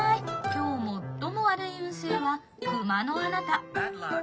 今日最も悪い運勢は熊のあなた。